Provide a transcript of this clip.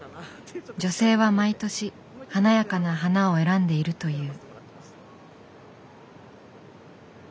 女性は毎年華やかな花を選んでいるという。